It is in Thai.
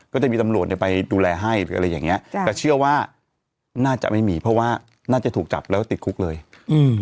ก็จะมีตำรวจเนี้ยไปดูแลให้หรืออะไรอย่างเงี้จ้ะแต่เชื่อว่าน่าจะไม่มีเพราะว่าน่าจะถูกจับแล้วติดคุกเลยอืม